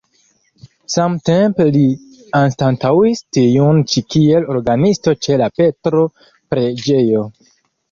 Samtempe li anstataŭis tiun ĉi kiel orgenisto ĉe la Petro-preĝejo.